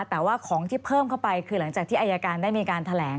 แต่ว่าของที่เพิ่มเข้าไปคือหลังจากที่อายการได้มีการแถลง